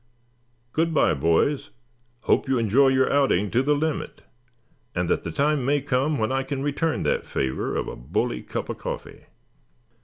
Good bye, boys. Hope you enjoy your outing to the limit; and that the time may come when I can return that favor of a bully cup of coffee."